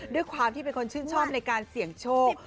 ด้วยความที่เป็นคนชื่นชอบในการเสี่ยงโชค